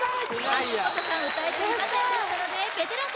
橋本さん歌えていませんでしたのでベテラン